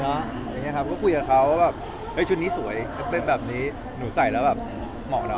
อย่างเงี้ยครับก็คุยกับเขาว่าแบบชุดนี้สวยแบบนี้หนูใส่แล้วเหมาะเนอะ